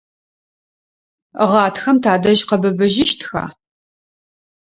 Гъатхэм тадэжь къэбыбыжьыщтха?